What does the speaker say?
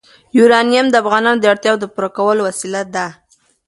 یورانیم د افغانانو د اړتیاوو د پوره کولو وسیله ده.